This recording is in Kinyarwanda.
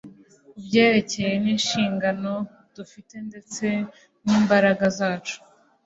ku byerekeranye n'inshingano dufite ndetse n'imbaraga zacu